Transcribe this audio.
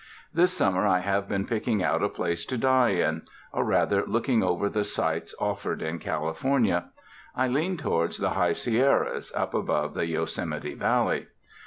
"This summer I have been picking out a place to die in or rather looking over the sites offered in California. I lean towards the high Sierras, up above the Yosemite Valley.